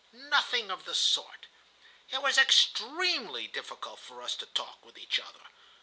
Nothing of the sort. It was extremely difficult for us to talk with each other.